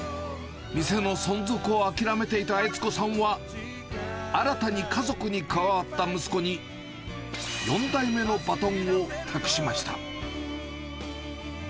店の存続を諦めていた悦子さんは、新たに家族に加わった息子に、４代目のバトンを託しました。